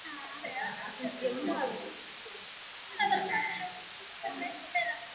kati ya mwaka elfu mbili na moja na elfu mbili kumi na moja